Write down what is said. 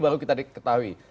baru kita ketahui